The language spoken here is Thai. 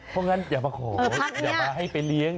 เพราะงั้นอย่ามาขออย่ามาให้ไปเลี้ยง